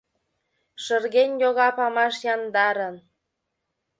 Шырген йога памаш яндарын